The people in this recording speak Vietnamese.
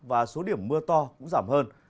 và số điểm mưa to cũng giảm hơn